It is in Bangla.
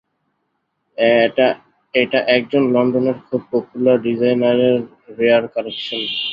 এটা একজন লন্ডনের খুব পপুলার ডিজাইনারের রেয়ার কালেকশন।